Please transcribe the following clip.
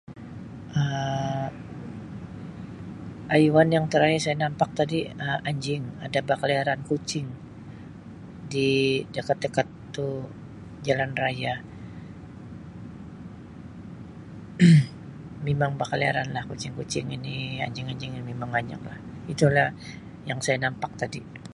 Um Haiwan yang terakhir saya nampak tadi Um anjing ada bakeliaran kucing di dekat-dekat tu jalan raya memang bakeliaran lah kucing-kucing ini anjing-anjing mimang banyak lah itu lah yang saya nampak tadi.